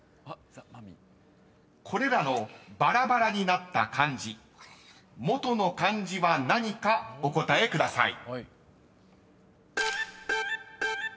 ［これらのバラバラになった漢字もとの漢字は何かお答えください］